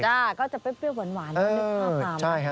ใช่ก็จะเปรี้ยวหวานนึกข้าม